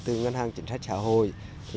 từ ngân hàng chính sách xã hội